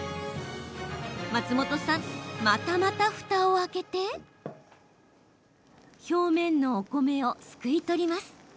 松本さん、またまたふたを開けて表面のお米をすくい取ります。